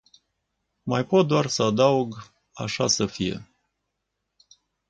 Mai pot doar să adaug, așa să fie!